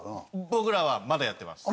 僕らはまだやってます。